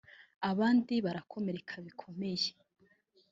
abandi barakomereka bikomeye